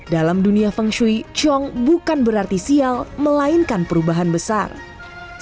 dalam dunia fad ada sejumlah show yang berpotensi mengalami keberuntungan dan ada yang berpotensi mengalami cong